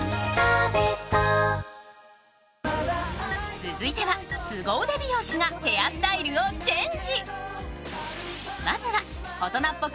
続いてはすご腕美容師がヘアスタイルをチェンジ。